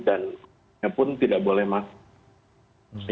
dan apun tidak boleh masker